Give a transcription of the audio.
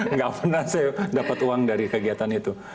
nggak pernah saya dapat uang dari kegiatan itu